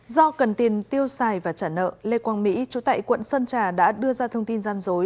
do cần tiền tiêu xài và trả nợ lê quang mỹ chủ tại quận sơn trà đã đưa ra thông tin gian dối